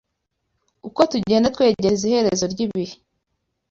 Uko tugenda twegereza iherezo ry’ibihe,